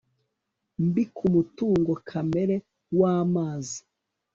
mbi ku mutungo kamere w amazi